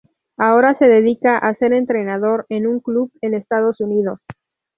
Ahora se dedica a ser entrenador en un club en Estados Unidos.